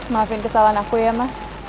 maafin kesalahan aku ya mah